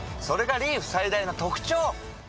それがリーフ最大の特長！